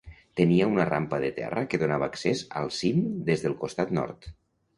Tenia una rampa de terra que donava accés al cim des del costat nord.